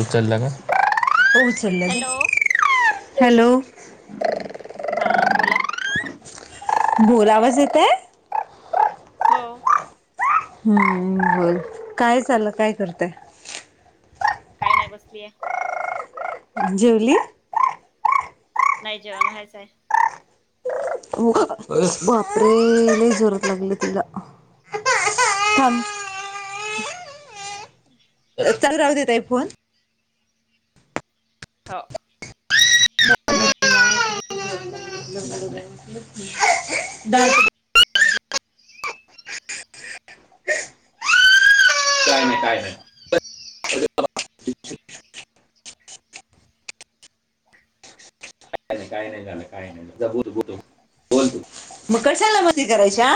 उचल का उचल हॅलो का हॅलो हां बोला बोलावंच येतं हो हम्म बोल काय चालं काय करतय काय नाही बसलीय जेवली नाही जेवण व्हायचं बापरे लय जोरात लागला तिला चालू राह देेता ई फोन हो आ काय नाही काय नाही का नाही काही नाही झालं काही नाही जततो बोल मग कशाला मती करायच्या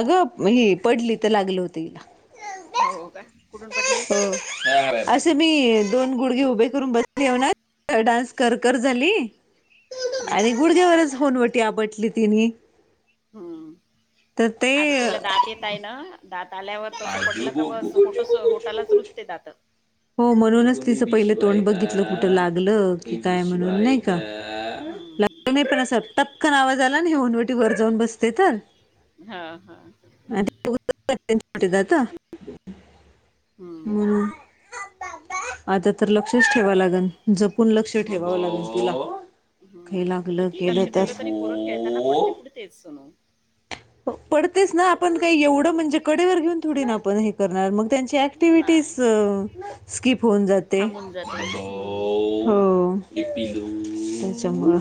अगं ही पडली तर लागलं होत तिला हो का कुठून पडली हो असं मी दोन गुडघे उभे करून बस घऊ ना डान्स कर कर झाली हम्म आणि गुडघ्यावरच होनवटी आ पटली तिने हम्म तर ते आता तिला दात येत आहे ना दात आल्यावर असं पडलं आजूबाजू का बस होट होटालाच रुजते दात हो म्हणूनच तिचं पहिलं तोंड बघितलं कुठं लागलं की काय म्हणून नाही का हम्म हम्म तही पण अस टपकन आवाज आला ना हे नवटी वर जाऊन बसते तर हा हा आणिट जात हम्म बण आता तर लक्षच ठेवा लागेल जपून लक्ष ठेवावं लागेल तुला हम्म खेला किती लक्ष ठेवलं तरी प पुरं खेळताना पडते पुढतेच सुणू पडतेच ना आपण काही एवढं म्हणजे कडेवर घेऊन थोडी ना आपण हे करणार मग त्यांची ऍक्टिविटी नाही स् होऊन जाते थांबून जाते ना हम्म हो त्याच्या मूळ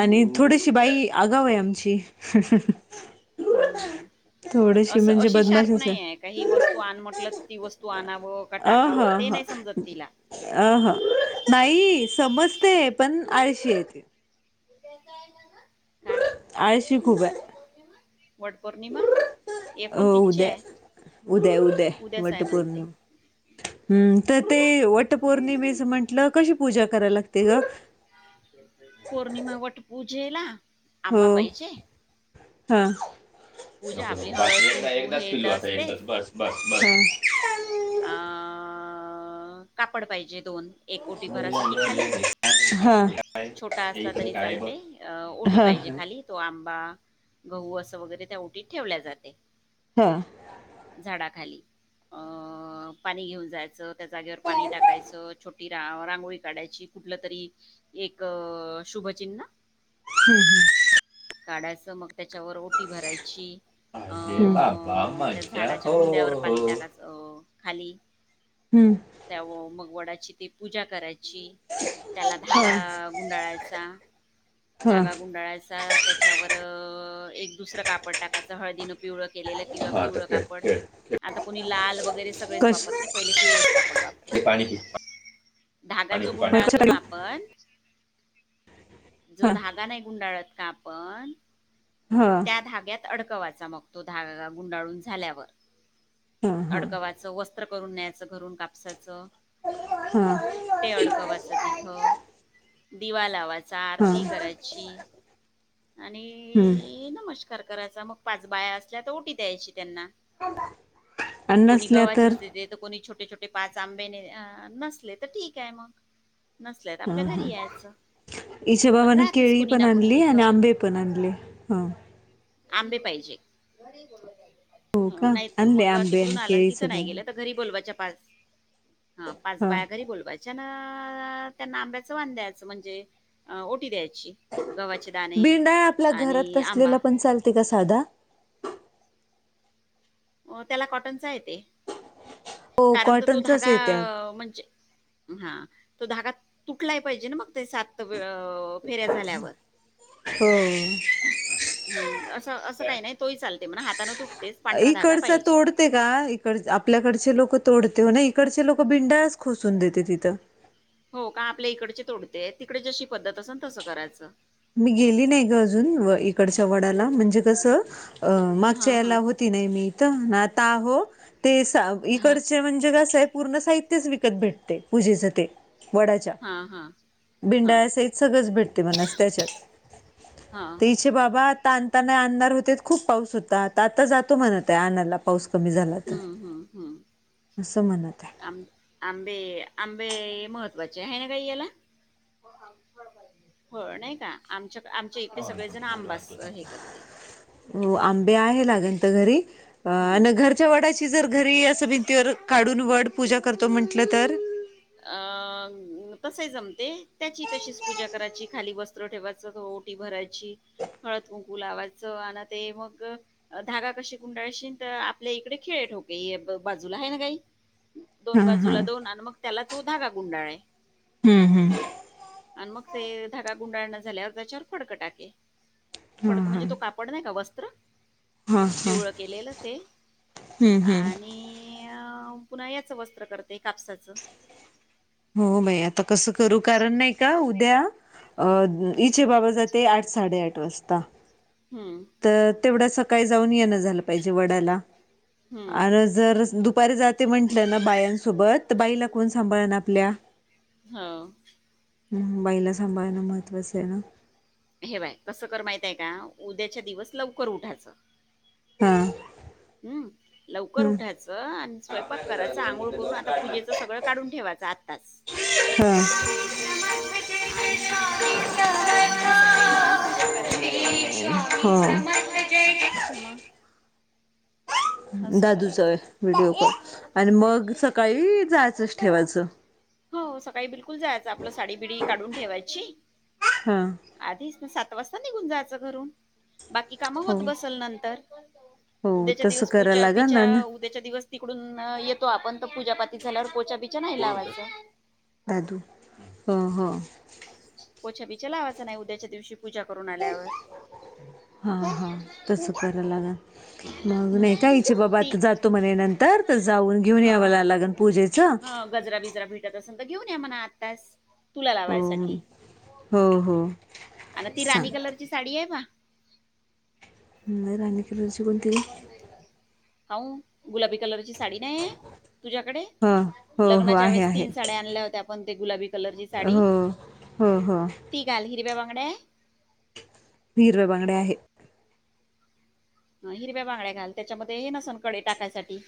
आणि थोडीशी बाई आगाव आहे आमची ह्म थोडीशी अस म्हणजे अशी शार्प बदमाशच नाही आहे का ही वस्तू आण म्हटलं तर ती वस्तू आणा अ हा ह अ ह नाही समजतय पण आळशी आहे तो का आळशी खूप आहे वटपौर्णिमा हो उदया आहे उदया आहे उदया आहे उद्याच म्हणते वटपौर्णिमा हम तर ते वटपौर्णिमेच म्हंटलं कशी पूजा करायला लागते ग पौर्णिमा वट पूजेला आंबा पाहिजे हा पूजा नको आपली नको बास हळद एकदा कुंकू एकदाच हे तर पिल्लू आता असतेच एकदाच बस बस बस अ [inaudible] कापड पाहिजे दोन एक ओटी झाली भरासाठी खाली झाली झाली. हां. छोटा असला इकडं तरी काय आहे बघ? चालते. अ ओटी हां, पाहिजे खाली तो आंबा गहू अस वगैरे त्या ओटीत ठेवल्या जाते ह झाडा खाली. अ पाणी घेऊन जायचं त्या जागेवर पाणी टाकायचं छोटी रा रांगोळी काढायची कुठल तरी एक शुभचिन्ह हम हम काढायचं मग त्याच्यावर ओटी भरायची हम अ अरे बाबा त्या मजा झाडाच्या हो बुंद्यावर हो पाणी टाकायचं खाली हं, त्या व मग वडाची ते पूजा करायची त्याला हां, धागा गुंडाळायचा हां. धागा गुंडाळायचा त्याच्यावर एक दुसरं कापड टाकायच पिवळं केलेलं किंवा हां आता पिवळं खेळ कापड खेळ खेळ. आता कोणी लाल वगैरे सगळेच कशी? वापरते पहिले पिवळच कापड हे वापरायचे पाणी पी पाणी धागा जो पी पाणी. गुंडाळतो ना आपण जो हां, धागा नाही गुंडाळत का आपण हां, त्या धाग्यात अडकवाचा मग तो धागा गुंडाळून झाल्यावर हां, हां, अडकवाचं वस्त्र करून न्यायचं घरून कापसाचं हां, ते अडकवाच तिथ दिवा लावाचा हां. आरती करायची आणि हं नमस्कार नवस्कार करायचा मग पाच बाया असल्या तर ओटी द्यायची त्यांना आणि कोणी नसल्या गावाचीच देते तर कोणी छोटे छोटे पाच आंबे ने नसले तर ठीक आहे मग नसले तर हा आपल्या घरी हा यायचं हिच्या पण बाबान राहतेच केळी कोणी पण ना कोणी आणली आणि तिथं आंबे पण पण आणले. ह आंबे पाहिजे. हो का नाही त आणले मग आंबे आणि तिकडून आलं केळी तिथं सगळं नाही आणलं गेलं तर घरी बोलवायच्या पाच हा पाच बाया घरी बोलवायच्या. त्यांना. त्यांना आंब्याच वान द्यायचं म्हणजे ओटी द्यायची. गवाचे दाणे नाही आपल्या घरात आणि आंबा असलेला पण चालते का साधा? हो त्याला कॉटनचा येत. हो कारण तो तो कॉटनचाच येत्या धागा म्हणजे हा. तो धागा तुटलाय पाहिजे ना मग ते सात वेळ हो हम. असं असं काही नाही तोही चालते म्हणा हाताने तुटतेच पांढरा धागा. इकडचा पाहिजे तोडते का इकड आपल्याकडचे लोक तोडते ना इकडचे लोक लोक बिनधास्त खोसून देतेत तिथं हो का आपल्या इकडचे तोडते तिकडे जशी पद्धत असल तसं करायचं. मी गेली नाही ग अजून इकडच्या वडाला म्हणजे कसं मागच्या हां याला हां होती. नव्हती मी इथं आता आहो ते इकड हां म्हणजे कसं आहे पूर्ण साहित्यच विकत भेटते पूजेच ते. वडाच्या हां हां हां बिंडाळसहित सगळंच भेटते म्हणायचंच. [unintelligible] हां ते बाबा. आता आणताना आणणार होते खूप पाऊस होता आता आता जातो म्हणत आहे अला पाऊस कमी झाला तर हम्म हम्म हम्म असं म्हणत आहे. आ आंबे आंबे मह बच आहे ना का याला हो नाही का आमच्या. आमच्या [unintelligible] इकडे सगळेजण आंबास हे करते हो आंबे आहे लागणंत घरी अ हम्म आणि घरच्या वडाची जर घरी असं भिंतीवर काढून वड पूजा करतो म्हंटलं तर अ अ तसे जमते त्याची तशीच पूजा करायची खाली वस्त्र ठेवायचं ओटी भरायची. हळद कुंकू लावायचं आणि ते मग धागा कशी कुंडाळश तर आपल्या इकडे खेळ ठोक बाजूला आहे ना काही. हा दोन हा बाजूला दोन आणि मग त्याला तो धागा गुंडाळ हम्म हम्म [unintelligible] आणि मग ते धागा गुंडाळण झाल्यावर त्याच्यावर फडक टाकायच. फडक हा म्हणजे तो कापड नाही का वस्त्र हा हा पिवळ केलेलं ते हम्म हम्म आणि पुन्हा याचं वस्त्र करते कापसाचं हो बाई आता कसं करू कारण नाही का उद्या अ इचेे बाबा जाते आठ साडेआठ वाजता हम्म तर तेवढं सकाळी जाऊन येणं झालं पाहिजे वडाला हम्म आणि जर दु पर जाते म्हंटलं ना बायांसोबत तर बाईला कोण सांभाळ ना आपल्या हो मुंबाईला सांभाळणं महत्त्वाचं आहे ना. हे बाय कसं कर माहितय का उद्याच्या दिवस लवकर उठायचं. [unintelligible] हम्म लवकर ह उठायचं आणि स्वयंपाक करायच आंघोळ करून आता पूजेच सगळं काढून ठेवायचं आत्ताास हा आणि आणि सकाळी जाऊन पूजा करायची. हो मग असं दादूचाय करायचं व्हिडिओ कॉल आणि मग सकाळी जायचंच ठेवायचं हो सकाळी बिलकुल जायचं आपलं साडी बिडी काढून ठेवायची हा आधीच ना सात वाजता निघून जायचं घरून बाकी काम हो होत बसल नंतर हो उद्याच्या तसं दिवस पू करायला बि लागल ना ना उद्याच्या दिवस तिकडून येतो आपण तर पूजापाती झाल्यावर पो विच नाही लावायचं दादू ह हो पोचा बिछा लावाचा नाही उद्याच्या दिवशी पूजा करून आल्यावर [unintelligible] हा हा तस कराव लागल मग नाही हम्म कायच बाबा ती आता जातो म्हणे नंतर तर जाऊन घेऊन यावं ला लागल पूजे ह गजरा बिजरा भेटत असेल तर घेऊन या म्हणा आत्ताास तुला हो लावायसाठी हो हो आणि ती राणी सांगते कलरची साडी आहे बा नाही रे राणी कलरची कोणती आहे हो गुलाबी कलरची साडी नाही तुझ्याकडे हा हो हो लग्नाच्या आहे वेळेस आहे तीन साड्या आणल्या होत्या आपण ते गुलाबी कलरची साडी हो हो हो ती घाल हिरव्या बांगड्या हीरवे्या बांगडे आहे ह हिरव्या बांगड्या घाल त्याच्यामध्ये हे नसन कडे टाकायसाठी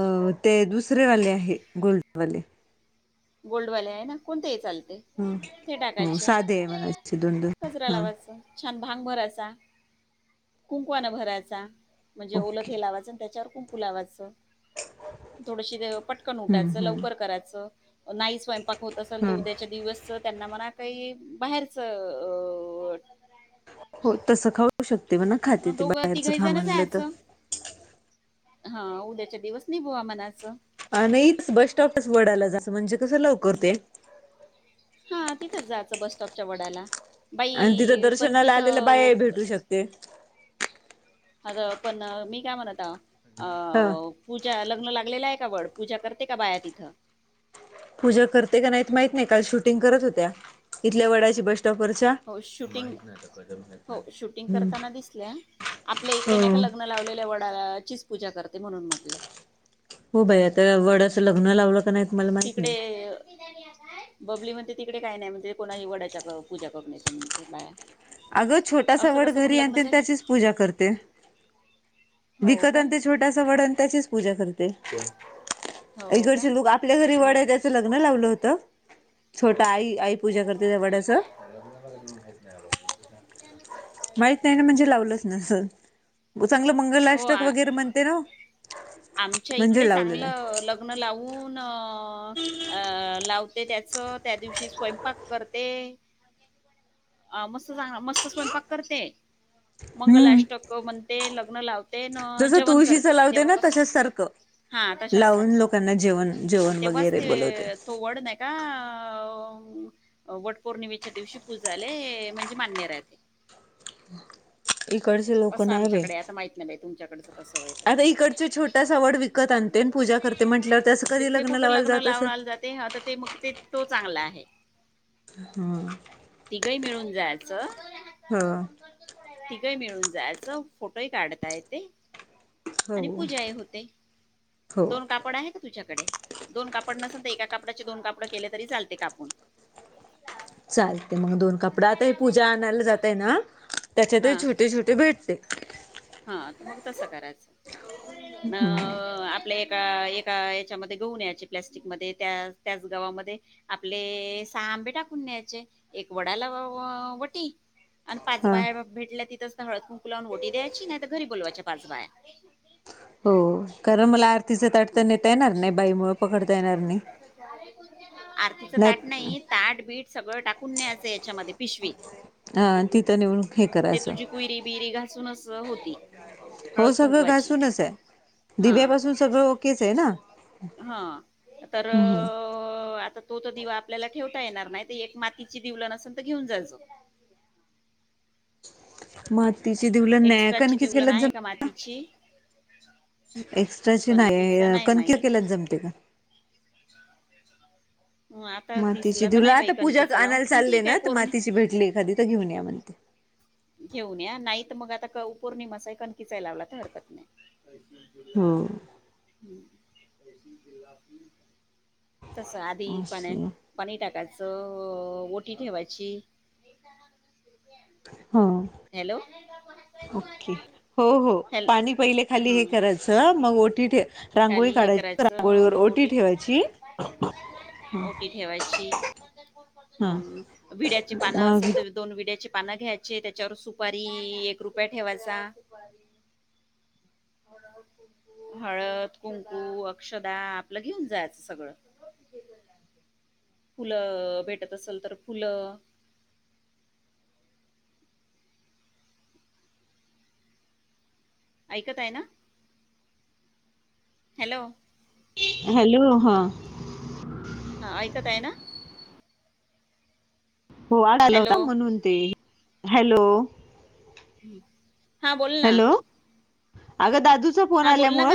अ ते दुसरे वाले आहे गोल्डवाले गोल्डवाले आहे ना कोणतेही चालतं. हो ते हो टाकायचे साधे आहे मनाचे दोन दोन गजरा हा लावायचा. छान भांग भरायचा. कुंकवान भरायचा म्हणजे ओल ओके ते लावायच त्याच्यावर कुंकु लावाचं. थोडशी पटकन हम्म उटायचं हम्म लवकर करायचं. नाही स्वयंपाक होत असेल तर हम्म. उद्याच्या दिवसच त्यांना मना काही बाहेरच अ हो तसं खाऊ शकतं. तेव्हा न खाते अं ते दोघं बाहेरचं तिघही खा जण म्हणलं तर. जायचं हा उद्याच्या दिवस नाही बुवा मनाचं. नाही बस स्टॉपच वडाला जा म्हणजे कसं लवकर ते हा तिथंच जायचं बस स्टॉपच्या वडाला आणि तिथं बाई पण दर्शनाला आलेल्या तिथं बायाही भेटू शकते. ह पण मी काय म्हणत अ हा पूजाल ल लागलेला आहे का वड पूजा करते का बाया तिथं. पूजा करते का नाहीत माहित नाही काल शूटिंग करत होत्या इथल्या वडाची बस् हो शूटिंग हो शूटिंग करताना दिसल्या. [inaudible] आपल्या इकडे नाही का लग्न लावलेल्या वडाचीच पूजा करते म्हणून म्हटलं. हो बाई आता वड्याचं लग्न लावलं. का नाहीत मला माहित तिकडे. नाही बबली म्हणते तिकडे काय नाही म्हणते ते कोणाही वडाच्या पूजा करून ते म्हणते बाळा अगं छोटासा वड घरी आणते त्याचीच पूजा करते. हो विकत का आणि ते छोटासा वड आणि त्याचीच पूजा करत हो का इकडचे लोक आपल्या घरी मग वडा आहे त्याचं लग्न लावलं होत. छोटा आई आई पूजा करते त्या वड्याच माहित नाही ना म्हणजे लावलंच ना चांगलं हो मंगलाष्टक आ- वगैरे म्हणते ना- आमच्या म्हणजे इकडे लावलेलं आहे. चांगलं लग्न लावून अ लावते त्याच त्या दिवशी स्वंय पाक करते अ मस्तां मस्त स्वयंपाक करते. हम्म मंगलष्टक म्हणते लग्न लावते. न जसं जेवण तुळशीचं करते लावते ना तेव्हापास तसच सारखं. हा तशाच लावून सारखं लोकांना जेवण आणि जेवण तेव्हाच वगैरे ते बोलवते. तो वड नाही का.. वट पौर्णिमेच्या दिवशी पूजाले म्हणजे मान्य राहते... [inaudible] इकडचे लोक असं नाही बाई आमच्याकडे आता माहित नाही बाई तुमच्याकडचं कसं व्हय आता इकडच्या छोट्यासा वड विकत आ.... तर तेथे कुठं लावायला लग्न जात असलं. लावला जाते आता ते मगं ते तो चांगला आहे.. आहे... हम.... जायचं... हा... तिघही मिळून जायचं फोटोही काढताय येते.... आणि हो पूजा हे होते हो. दोन कापड आहे का तुझ्याकडे... दोन कापड नसेल तर एका कापडाचे दोन कापड केले तरी चालते कापून... चालते मग दोन कपडा आता ह पूजा आणायला जातय ना त्याच्यात हा छोटे-छोटे भेट.... [inaudible] हा तरं मग तस करायचं आपले... एका याच्यामध्ये गहू न्यायचे प्लस्टिक मध्ये त्या त्याच गव्हा मध्ये आपले आंबे टाकून न्यायचे एक वडाला वटी.. आणि पाच हा बाया भेटल्या तिथंच तर हळद कुंकू लावून ओटी द्यायची, नाही तर घरी बोलवायच्या पाच बाया... हो कारण मला आरतीचं ताट हं. तेन नेता येणार नाही बाई मुळ पकडता येणार नाही आरतीच ताट नाही ताटबीट... सगळं टाकून न्यायचं याच्यामध्ये पिशवी... हा तिथं नेऊन हे ते करायचं तुझी कुयरी बिरी घासूनच होती... हो हळद सगळं कुंकवाची घासूनच आहे हा दिब्यापासून सगळं... ओकेच आहे ना हा तर आता तो तर दिवा आपल्याला... ठेवता येणार नाही ते एक मातीची दिवला नसेल तर घेऊन जायच. मातातीचे दिवलन नाही कणकी केलात ज पक्षी एक्स्ट्राची नाही कणकीच केल्यात जमते का... हं, आता मातीची दिसला तर तुला नाही बाई आता पूजा कणकीचा लावून आणायला पण चालले ठीक आहे ना तर पोरणी मातीची भेटली एखादी तर घेऊन या म्हणते घेऊन या नाही तर मग आता पौर्णिमसा कणकीचाय लावला तर हरकत नाही हो... तस आधी अस पण पनीर टाकायचं... अस ओटी ठेवायची... [inaudible] हॅलो.. ओके हो हो हॅल पाणी पहिले खाली हे करायचं मग ओटी ठेवायची.. काली हे करायचं मग ओटी ठेवायची ओटी ठेवायची.. हा विड्याची पानं मग असतात ना दोन विड्याची पण... पानं घ्यायचे त्याच्यावर सुपारी एक रुपया ठेवायचा... हळद... कुंकु अक्षदा आपलं घेऊन जायचं सगळं... फुलं भेटत असेल तर फुलं.. ऐकत आहे ना... हॅलो.. हॅलो हा... हा ऐकत आहे ना.. हो आला हॅलो होता म्हणून ते हॅलो... हां बोल ना... अग दादूचा फोन हा बोल ना ग आल्यामुळे...